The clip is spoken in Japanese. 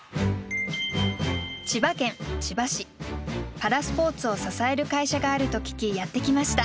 パラスポーツを支える会社があると聞きやって来ました。